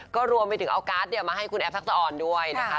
ก็รวมไปถึงเอาการ์ดมาให้คุณแอฟทักษะออนด้วยนะคะ